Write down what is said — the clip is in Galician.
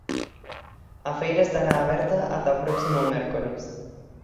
A feira estará aberta ata o próximo mércores.